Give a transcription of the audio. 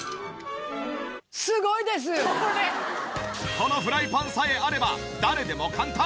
このフライパンさえあれば誰でも簡単！